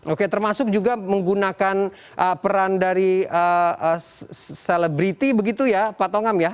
oke termasuk juga menggunakan peran dari selebriti begitu ya pak tongam ya